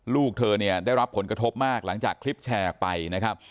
ลูกเธอเนี่ยได้รับผลกระทบมากหลังจากคลิปแชร์ออกไปนะครับ